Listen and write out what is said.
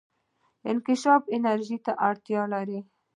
انکشاف انرژي ته اړتیا لري.